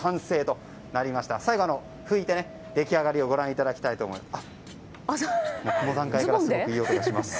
最後拭いて、出来上がりを見ていただきたいと思います。